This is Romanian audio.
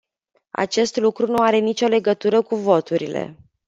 Acest lucru nu are nicio legătură cu voturile.